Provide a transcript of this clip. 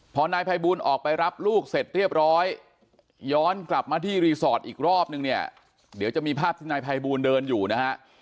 พอนายภัยบูลออกไปรับลูกเสร็จเรียบร้อยย้อนกลับมาที่รีสอร์ทอีกรอบนึงเนี่ยเดี๋ยวจะมีภาพที่นายภัยบูลเดินอยู่นะฮะ